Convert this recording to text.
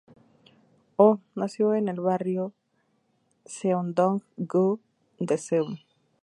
Oh nació en el barrio Seongdong-gu de Seúl.